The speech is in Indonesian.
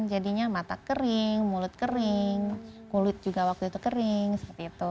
jadinya mata kering mulut kering kulit juga waktu itu kering seperti itu